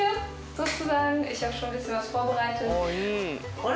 あれ？